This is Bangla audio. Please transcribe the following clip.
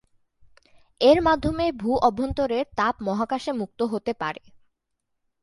এর মাধ্যমে ভূ-অভ্যন্তরের তাপ মহাকাশে মুক্ত হতে পারে।